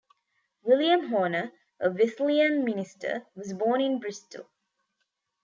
William Horner, a Wesleyan minister, was born in Bristol.